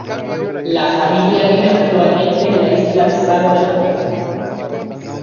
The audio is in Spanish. La familia vive actualmente en la isla de Sado de Japón.